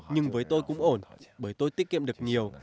nhưng với tôi cũng ổn bởi tôi tiết kiệm được nhiều